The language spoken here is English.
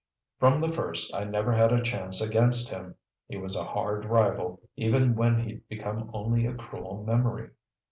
From the first, I never had a chance against him; he was a hard rival, even when he'd become only a cruel memory."